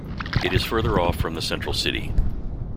It is further off from the central city.